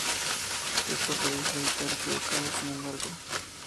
Esto aparece estar equivocados sin embargo.